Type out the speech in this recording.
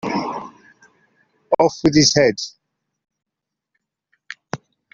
Off with his head!